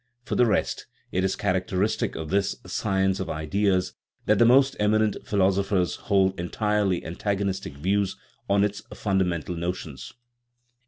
For the rest, it is characteristic of this " science of ideas " that the most eminent philosophers hold entirely antagonistic views on its fundamental notions.